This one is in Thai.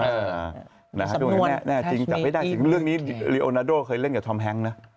สำนวนแน่จริงจับให้ได้สิคือเรื่องนี้ลีโอนาโด่เคยเล่นกับทอมแฮงก์นะ